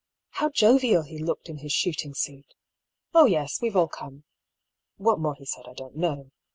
How jovial he looked in his shooting suit !" Oh, yes, we've all come." What more he said I don't know.